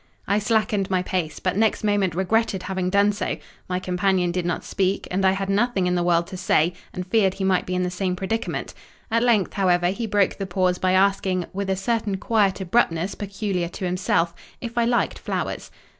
I slackened my pace; but next moment regretted having done so: my companion did not speak; and I had nothing in the world to say, and feared he might be in the same predicament. At length, however, he broke the pause by asking, with a certain quiet abruptness peculiar to himself, if I liked flowers.